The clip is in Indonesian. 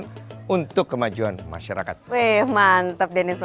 dan tentunya pembangunan ditujukan untuk kemajuan kelas dan kekejaman